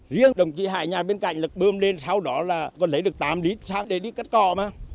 riêng đồng chí hải nhà bên cạnh là bơm lên sau đó là còn lấy được tám lít sáng để đi cắt cỏ mà